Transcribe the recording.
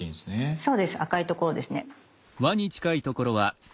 そうです赤いところですね。